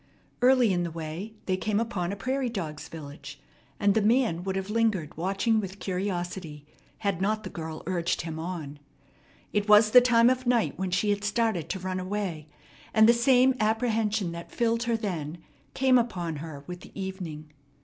Early in the way they came upon a prairie dogs' village, and the man would have lingered watching with curiosity, had not the girl urged him on. It was the time of night when she had started to run away, and the same apprehension that filled her then came upon her with the evening.